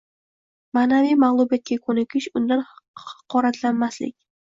Ma’naviy mag’lubiyatga ko’nikish, undan haqoratlanmaslik